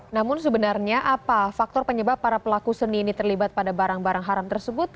namun sebenarnya apa faktor penyebab para pelaku seni ini terlibat pada barang barang haram tersebut